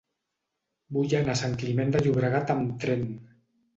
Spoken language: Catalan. Vull anar a Sant Climent de Llobregat amb tren.